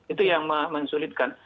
itu yang mensulitkan